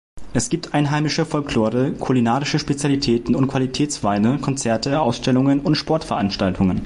Es gibt einheimische Folklore, kulinarische Spezialitäten und Qualitätsweine, Konzerte, Ausstellungen und Sportveranstaltungen.